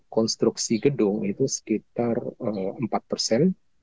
konstruksi gedung itu sekitar empat persen